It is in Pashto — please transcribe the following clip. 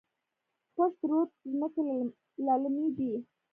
پشت رود ځمکې للمي دي؟